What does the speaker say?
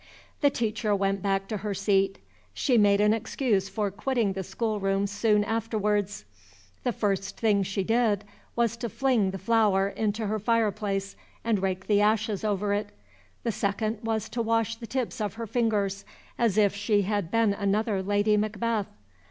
The teacher went back to her seat. She made an excuse for quitting the schoolroom soon afterwards. The first thing she did was to fling the flower into her fireplace and rake the ashes over it. The second was to wash the tips of her fingers, as if she had been another Lady Macbeth.